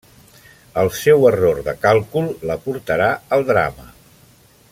El seu error de càlcul la portarà al drama.